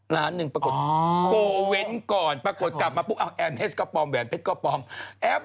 ล้านหนึ่งปรากฏโกเว้นก่อนปรากฏกลับมาปุ๊บเอาแอมเฮสก็ปลอมแหวนเพชรก็ปลอม